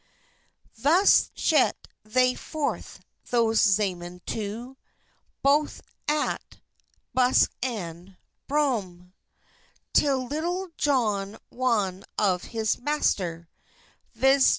Thus shet thei forthe, these zemen too, Bothe at buske and brome, Til Litulle Johne wan of his maister V s.